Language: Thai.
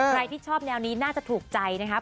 ใครที่ชอบแนวนี้น่าจะถูกใจนะครับ